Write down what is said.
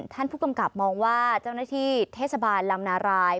ท่านผู้กำกับมองว่าเจ้าหน้าที่เทศบาลลำนาราย